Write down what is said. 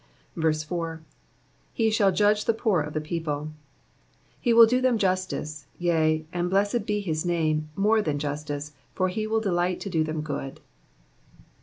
4. '"Be shall judge the poor of tJie people.'''' He will do them justice, yea, and blessed be his name, more than justice, for he will delight to do them good.